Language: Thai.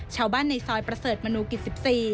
ชาวบ้านในซอยประเสริฐมนุกิจ๑๔